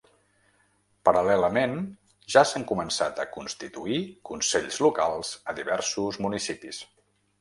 Paral·lelament, ja s’han començat a constituir consells locals a diversos municipis.